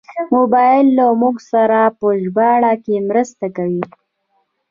موبایل له موږ سره په ژباړه کې مرسته کوي.